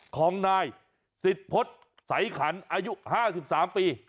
ของนายสิทธิพฤษสายขันอายุ๕๓ปี